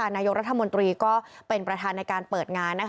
นายกรัฐมนตรีก็เป็นประธานในการเปิดงาน